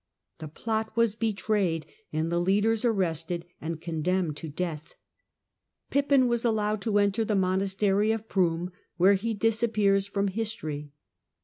The plot was betrayed and the leaders arrested and con demned to death. Pippin was allowed to enter the monastery of Pruin, where he disappears from history.